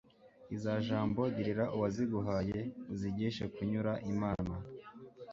iza jambo, girira uwaziguhaye uzigishe kunyura imana